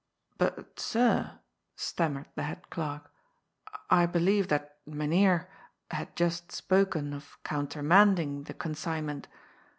''" But, sir," stammered the head clerk, " I believe that Mynheer had just spoken of countermanding the consign ment.